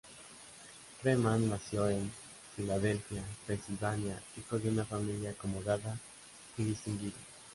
Freeman nació en Filadelfia, Pensilvania hijo de una familia acomodada y distinguida.